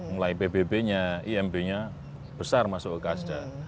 mulai pbb nya imb nya besar masuk ke gasnya